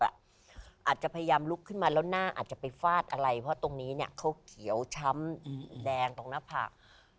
อาจจะพยายามลุกขึ้นมาแล้วหน้าอาจจะไปฟาดอะไรเพราะตรงนี้เขาเขียวช้ำแดงตรงหน้าผาก